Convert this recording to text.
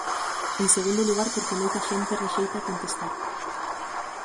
En segundo lugar porque moita xente rexeita contestar.